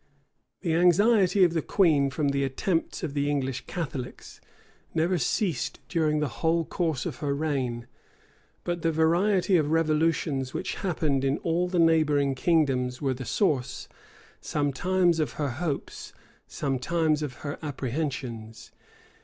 The anxiety of the queen from the attempts of the English Catholics never ceased during the whole course of her reign; but the variety of revolutions which happened in all the neighboring kingdoms, were the source, sometimes of her hopes, sometimes of her apprehensions.